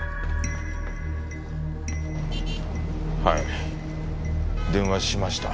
はい電話しました。